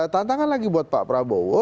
tantangan lagi buat pak prabowo